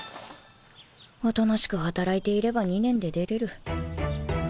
おとなしく働いていれば２年で出れる